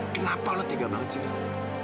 kenapa lu tega banget sendiri